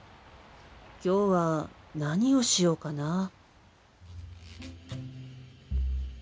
今日は何をしようかな。